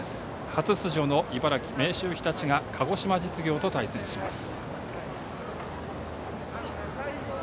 初出場の茨城・明秀日立が鹿児島実業と対戦します。